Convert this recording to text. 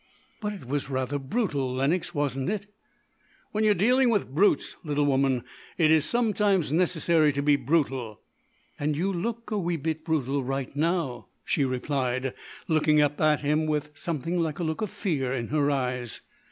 "But it was rather brutal, Lenox, wasn't it?" "When you are dealing with brutes, little woman, it is sometimes necessary to be brutal." "And you look a wee bit brutal right now," she replied, looking up at him with something like a look of fear in her eyes.